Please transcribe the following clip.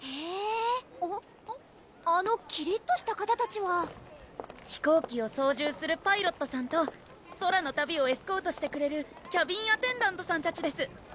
あのきりっとした方たちは飛行機を操縦するパイロットさんと空の旅をエスコートしてくれるキャビンアテンダントさんたちです！